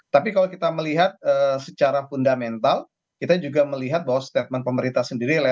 tapi kalau kita melihat secara fundamental kita juga melihat bahwa statement pemerintah sendiri